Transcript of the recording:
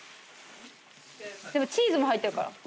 チーズも入ってるから。